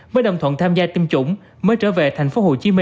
mới đồng thuận tham gia tiêm chủng mới trở về tp hcm